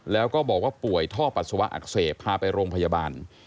แล้วก็บอกว่าป่วยท่อปัสสาวะอักเสบพาไปโรงพยาบาล